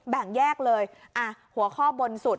แบ่งแยกเลยอ่ะหัวข้อบนสุด